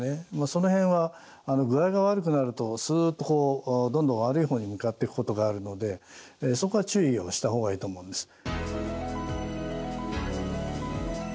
その辺は具合が悪くなるとすっとどんどん悪い方に向かっていくことがあるのでそこは注意をした方がいいと思うんです。